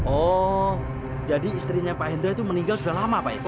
oh jadi istrinya pak hendra itu meninggal sudah lama pak itu